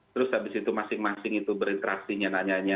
terus habis itu masing masing itu berinteraksi nanya nanya